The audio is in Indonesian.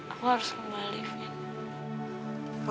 aku harus kembali vin